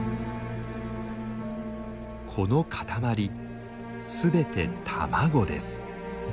この塊すべて卵です。